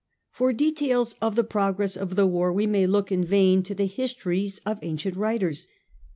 For details of the progress of the war we may look in vain to the histories of ancient writers.